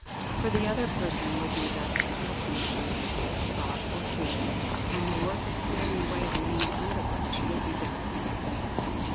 For the other person would be thus accus tomed to the idea, thought or feeling, and the work of clearing away the mental underbrush would be done in advance.